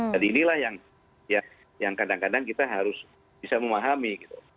jadi inilah yang kadang kadang kita harus bisa memahami